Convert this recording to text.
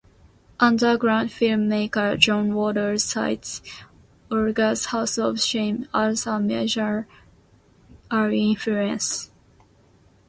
Underground filmmaker John Waters cites "Olga's House of Shame" as a major early influence.